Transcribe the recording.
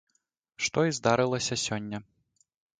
Што і здарылася сёння.